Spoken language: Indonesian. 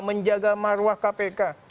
menjaga maruah kpk